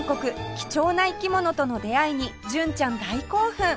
貴重な生き物との出会いに純ちゃん大興奮！